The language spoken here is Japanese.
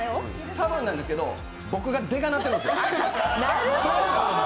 たぶんなんですけど、僕がデカなってるんですよ。